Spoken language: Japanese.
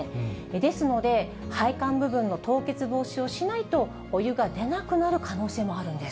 ですので、配管部分の凍結防止をしないと、お湯が出なくなる可能性もあるん